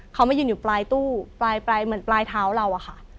เขามายืนอยู่ปลายตู้ปลายเหมือนปลายเท้าเราอะค่ะ